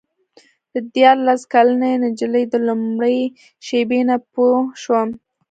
زه دیارلس کلنه نجلۍ د لومړۍ شېبې نه پوه شوم.